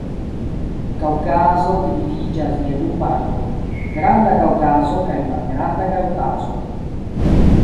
Kaŭkazo dividiĝas je du partoj: Granda Kaŭkazo kaj Malgranda Kaŭkazo.